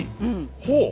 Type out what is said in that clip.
ほう。